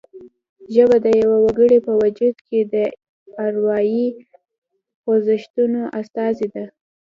ژبه د یوه وګړي په وجود کې د اروايي خوځښتونو استازې ده